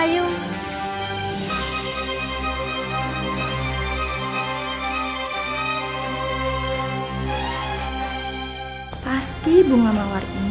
saya akan memberikan misi jaringan memitik sendirian